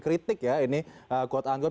kritik ya ini kuat anggot